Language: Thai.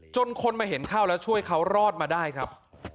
คนมาเห็นเข้าแล้วช่วยเขารอดมาได้ครับ